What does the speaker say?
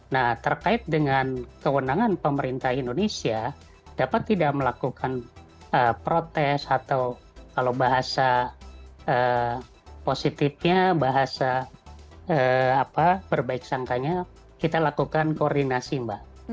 nah terkait dengan kewenangan pemerintah indonesia dapat tidak melakukan protes atau kalau bahasa positifnya bahasa berbaik sangkanya kita lakukan koordinasi mbak